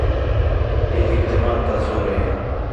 ہِے ہِِک جماعت تا زور ہِے